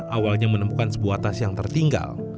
awalnya menemukan sebuah tas yang tertinggal